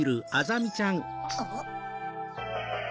あっ！